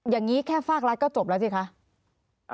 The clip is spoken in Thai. อย่างนี้แค่ฝากรัฐก็จบแล้วสิคะ